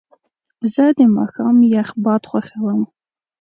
زه د ماښام یخ باد خوښوم.